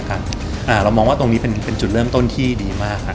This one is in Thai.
เรามองว่าตรงนี้เป็นจุดเริ่มต้นที่ดีมากครับ